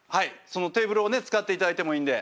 そのテーブルをね使っていただいてもいいんで。